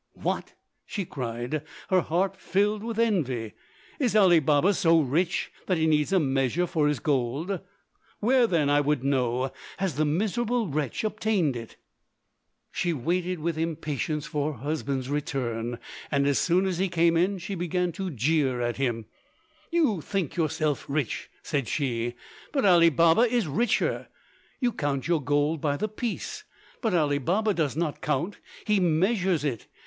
"What?" she cried, her heart filled with envy, "is Ali Baba so rich that he needs a measure for his gold? Where, then, I would know, has the miserable wretch obtained it?" [Illustration: As soon as he came in she began to jeer at him.] She waited with impatience for her husband's return, and as soon as he came in she began to jeer at him. "You think yourself rich," said she, "but Ali Baba is richer. You count your gold by the piece, but Ali Baba does not count, he measures it!